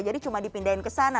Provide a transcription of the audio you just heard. jadi cuma dipindahin kesana